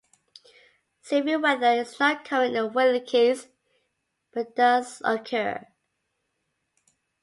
Severe weather is not common in Wilkes but does occur.